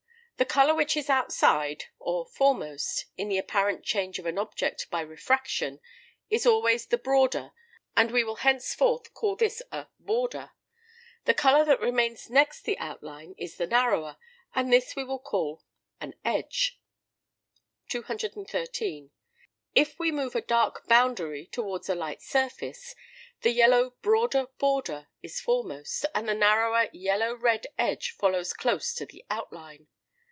The colour which is outside, or foremost, in the apparent change of an object by refraction, is always the broader, and we will henceforth call this a border: the colour that remains next the outline is the narrower, and this we will call an edge. 213. If we move a dark boundary towards a light surface, the yellow broader border is foremost, and the narrower yellow red edge follows close to the outline.